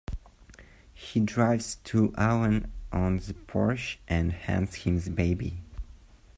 He drives to Alan on the porch and hands him the baby.